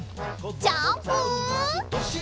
ジャンプ！